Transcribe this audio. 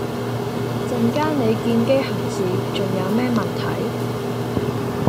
陣間你見機行事，重有咩問題？